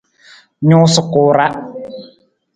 Nuusa ku ra.